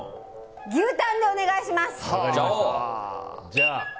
牛タンでお願いします！